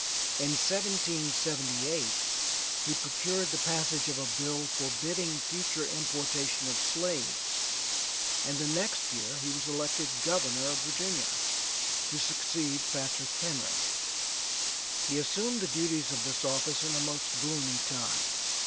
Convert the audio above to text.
In 1778 he procured the passage of a bill forbidding future importation of slaves and the next year he was elected governor of Virginia, to succeed Patrick Henry. He assumed the duties of this office in a most gloomy time.